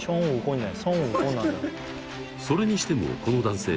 それにしてもこの男性